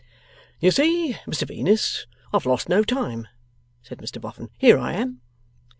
'You see, Mr Venus, I've lost no time,' said Mr Boffin. 'Here I am.